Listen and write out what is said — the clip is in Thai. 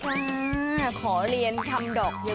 ขอเรียนทำดอกเยียมวีร่าด้วยนะคะ